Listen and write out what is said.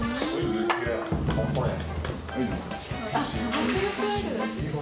迫力ある！